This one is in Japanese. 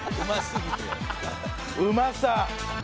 うまさ。